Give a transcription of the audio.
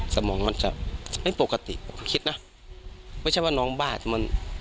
สมองมันจะไม่ปกติผมคิดนะไม่ใช่ว่าน้องบ้าแต่มัน